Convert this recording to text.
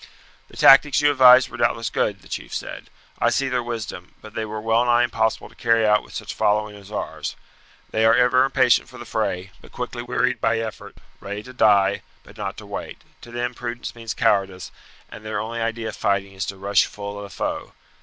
"The tactics you advised were doubtless good," the chief said; "I see their wisdom, but they are well nigh impossible to carry out with such following as ours. They are ever impatient for the fray, but quickly wearied by effort; ready to die, but not to wait; to them prudence means cowardice, and their only idea of fighting is to rush full at a foe.